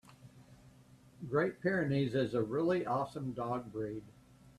Great Pyrenees is a really awesome dog breed.